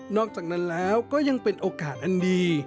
อกจากนั้นแล้วก็ยังเป็นโอกาสอันดี